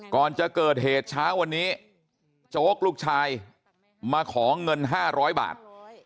ก่อนจะเกิดเหตุเช้าวันนี้โจ๊กลูกชายมาขอเงิน๕๐๐บาท